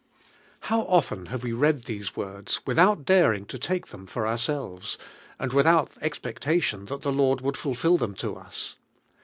HOW often have we read these words, without daring to take them for ourselves, and without expectation that the Lord would fulfil them to us!